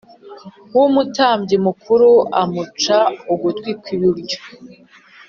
W umutambyi mukuru amuca ugutwi kw iburyo